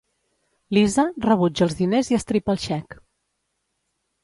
Lisa rebutja els diners i estripa el xec.